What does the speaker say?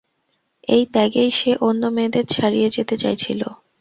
এই ত্যাগেই সে অন্য মেয়েদের ছাড়িয়ে যেতে চাইছিল।